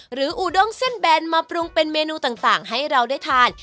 อูด้งเส้นแบนมาปรุงเป็นเมนูต่างให้เราได้ทาน